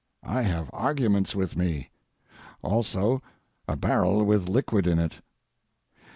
I have arguments with me also a barrel with liquid in it.